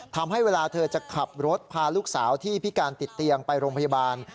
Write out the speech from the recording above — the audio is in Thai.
ทำให้เวลาเธอจะขับรถพาลูกสาวที่พิการติดเตียงไปโรงพยาบาล